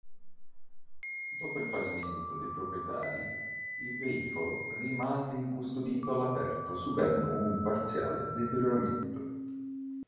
Dopo il fallimento dei proprietari, il veicolo rimase incustodito all'aperto subendo un parziale deterioramento.